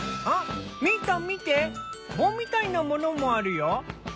あっみーたん見て棒みたいなものもあるよ。